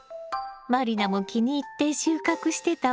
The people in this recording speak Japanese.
満里奈も気に入って収穫してたわね。